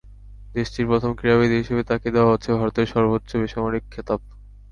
দেশটির প্রথম ক্রীড়াবিদ হিসেবে তাঁকে দেওয়া হচ্ছে ভারতের সর্বোচ্চ বেসামরিক খেতাব।